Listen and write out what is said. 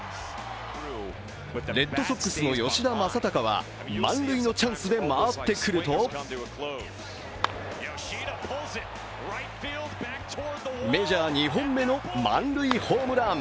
レッドソックスの吉田正尚は満塁のチャンスで回ってくるとメジャー２本目の満塁ホームラン。